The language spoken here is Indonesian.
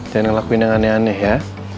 saya ngelakuin yang aneh aneh ya